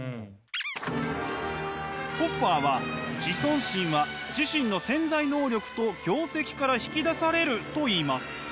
ホッファーは自尊心は自身の潜在能力と業績から引き出されると言います。